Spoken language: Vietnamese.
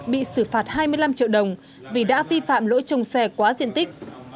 bị xử phạt hai mươi năm triệu đồng vì đã vi phạm lỗi trông xe quá diện tích